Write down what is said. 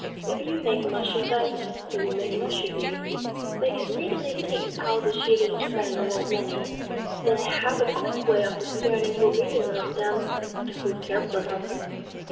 If you make much of them, they will make much of you. They can readily pick out the children's friend among many. They have a quick way of discerning who really love them and who care for them.